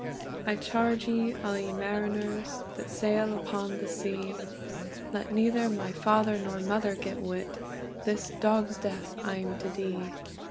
"I charge ye all, ye mariners, That sail upon the sea, Let neither my father nor mother get wit, This dog's death I'm to die.